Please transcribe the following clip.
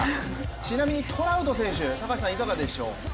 ちなみにトラウト選手高橋選手、いかがでしょう？